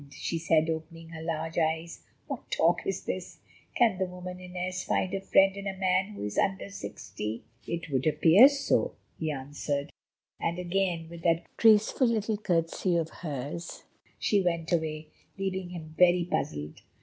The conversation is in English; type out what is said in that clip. she said, opening her large eyes, "what talk is this? Can the woman Inez find a friend in a man who is under sixty?" "It would appear so," he answered. And again with that graceful little curtsey of hers she went away, leaving him very puzzled.